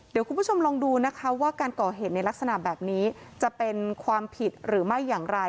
เดี๋ยวคุณผู้ชมลองดูนะคะว่าการก่อเหตุในลักษณะแบบนี้จะเป็นความผิดหรือไม่อย่างไร